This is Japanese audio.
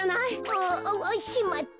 あわわしまった！